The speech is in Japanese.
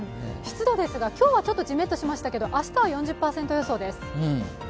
湿度ですが、今日はちょっとじめっとしましたけど、明日は４０％予想です。